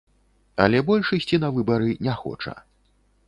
Але больш ісці на выбары не хоча.